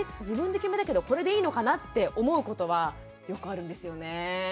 自分で決めたけどこれでいいのかなって思うことはよくあるんですよね。